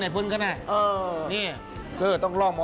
แล้วต้องรำไหมคะทีนี้